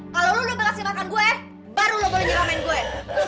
kalo lu udah berhasil makan gue baru lu boleh nyeramain gue